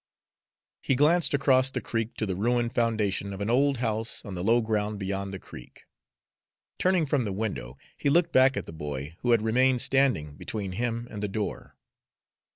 He glanced across the creek to the ruined foundation of an old house on the low ground beyond the creek. Turning from the window, he looked back at the boy, who had remained standing between him and the door.